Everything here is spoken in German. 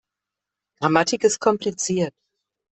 Grammatik ist kompliziert.